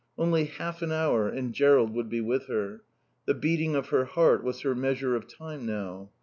Only half an hour and Jerrold would be with her. The beating of her heart was her measure of time now.